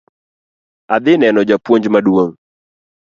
Adhi neno japuonj maduong'